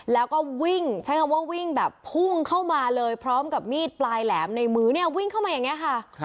แล้วก็วิ่งใช้คำว่าวิ่งแบบพุ่งเข้ามาเลยพร้อมกับมีดปลายแหลมในมือเนี่ยวิ่งเข้ามาอย่างนี้ค่ะ